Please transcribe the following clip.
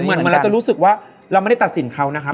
เหมือนเราจะรู้สึกว่าเราไม่ได้ตัดสินเขานะครับ